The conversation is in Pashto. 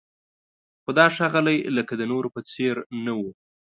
خو دا ښاغلی لکه د نورو په څېر نه و.